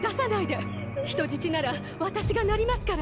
人質なら私がなりますから。